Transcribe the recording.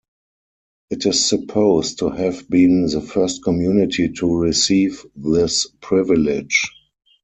It is supposed to have been the first community to receive this privilege.